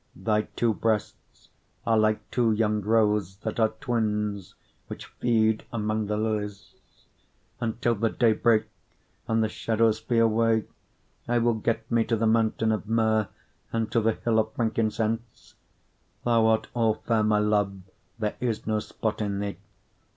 4:5 Thy two breasts are like two young roes that are twins, which feed among the lilies. 4:6 Until the day break, and the shadows flee away, I will get me to the mountain of myrrh, and to the hill of frankincense. 4:7 Thou art all fair, my love; there is no spot in thee.